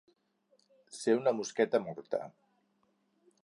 Ser una mosqueta morta.